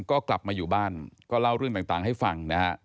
ก็กลับมาอยู่บ้านก็เล่าเรื่องต่างให้ฟังนะฮะ